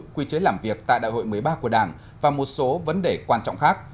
quy chế làm việc tại đại hội một mươi ba của đảng và một số vấn đề quan trọng khác